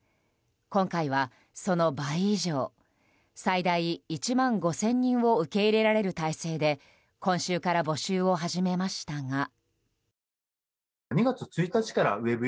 今回は、その倍以上最大１万５０００人を受け入れられる態勢で今週から募集を始めましたが。